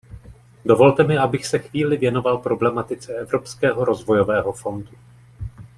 Dovolte mi, abych se chvíli věnoval problematice Evropského rozvojového fondu.